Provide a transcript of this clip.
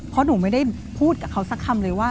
เพราะหนูไม่ได้พูดกับเขาสักคำเลยว่า